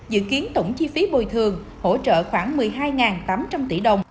dự kiến tổng chi phí bồi thường hỗ trợ khoảng một mươi hai tám trăm linh tỷ đồng